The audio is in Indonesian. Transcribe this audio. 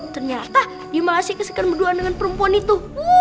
ternyata dia malah sikiskan berdoa dengan perempuan itu